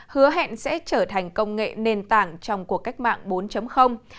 hứa hẹn sẽ trở thành công nghệ nền tảng trong cuộc cách mạng bốn